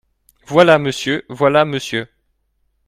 Voilà, monsieur ! voilà, monsieur !…